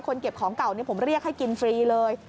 เก็บของเก่าผมเรียกให้กินฟรีเลย